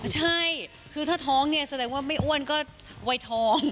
ใช่คือถ้าท้องเนี่ยแสดงว่าไม่อ้วนก็วัยท้อง